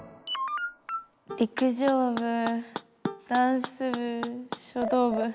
陸上部ダンス部書道部。